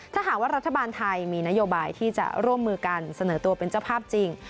ถ้าหากว่ารัฐบาลไทยมีนโยบายที่จะร่วมมือกันเสนอตัวเป็นเจ้าภาพจริง